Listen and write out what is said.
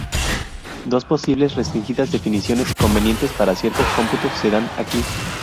Dos posibles, restringidas definiciones convenientes para ciertos cómputos se dan aquí.